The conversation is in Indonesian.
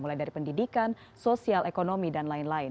mulai dari pendidikan sosial ekonomi dan lain lain